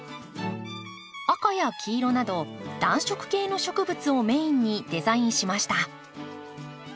赤や黄色など暖色系の植物をメインにデザインしました。